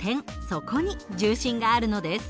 そこに重心があるのです。